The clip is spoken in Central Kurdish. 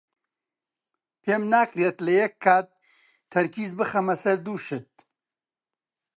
پێم ناکرێت لە یەک کات تەرکیز بخەمە سەر دوو شت.